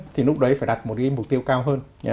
thì lúc đấy phải đặt một cái mục tiêu cao hơn